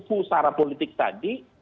usara politik tadi